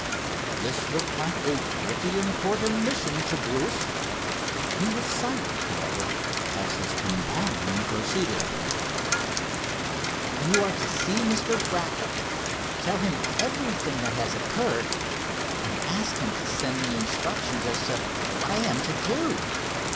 This looked like a pretty important mission to Bruce. He was silent, however, as his companion proceeded: "You are to see Mr. Brackett, tell him everything that has occurred, and ask him to send me instructions as to what I am to do.